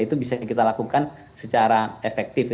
itu bisa kita lakukan secara efektif